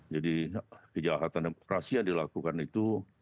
jadi kejahatan demokrasi yang dilakukan itu